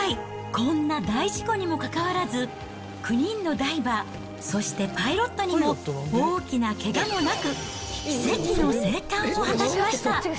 こんな大事故にもかかわらず、９人のダイバー、そしてパイロットにも大きなけがもなく、奇跡の生還を果たしました。